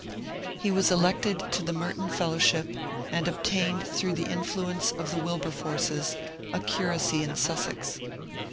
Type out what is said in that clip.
He was elected to the Merton Fellowship, and obtained through the influence of the Wilberforces a curacy in Sussex.